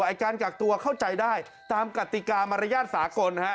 ในการกลักตัวเข้าใจได้ตามกติกามารยาทศาสตร์กล